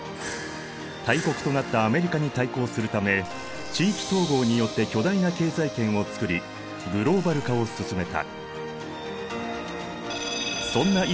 大国となったアメリカに対抗するため地域統合によって巨大な経済圏を作りグローバル化を進めた。